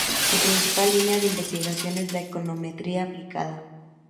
Su principal línea de investigación es la Econometría aplicada.